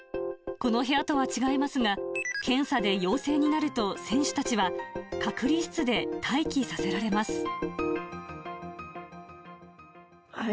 この部屋とは違いますが、検査で陽性になると選手たちは、隔離室で待機させられます。